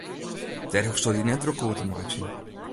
Dêr hoechsto dy net drok oer te meitsjen.